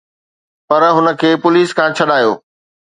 پر هن کي پوليس کان ڇڏايو